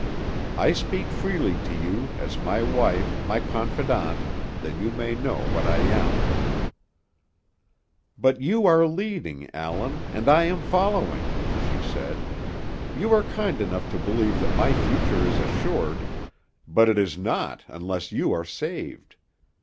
I speak freely to you, as my wife, my confidant, that you may know what I am." "But you are leading, Allan, and I am following," she said. "You are kind enough to believe that my future is assured, but it is not unless you are saved.